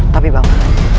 tapi pak man